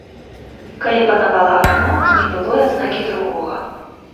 Калі панавала адно, не было і адзнакі другога.